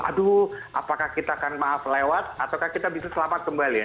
aduh apakah kita akan maaf lewat ataukah kita bisa selamat kembali ya